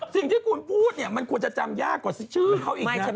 สิ่งที่คุณพูดเนี่ยมันควรจะจำยากกว่าชื่อเขาอีกนะ